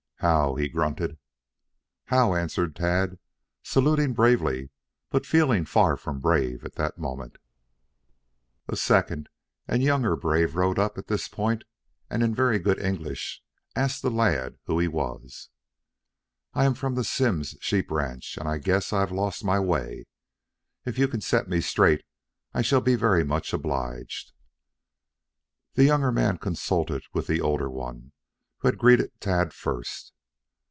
"How," he grunted. "How," answered Tad, saluting bravely, but feeling far from brave at that moment. A second and younger brave rode up at this point and in very good English asked the lad who he was. "I am from the Simms sheep ranch, and I guess I have lost my way. If you can set me straight, I shall be very much obliged." The younger man consulted with the older one, who had greeted Tad first.